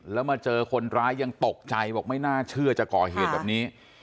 แล้วมาเจอคนร้ายยังตกใจบอกไม่น่าเชื่อจะก่อเหตุแบบนี้